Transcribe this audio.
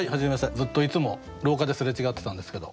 ずっといつも廊下ですれ違ってたんですけど。